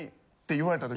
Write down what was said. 言われた。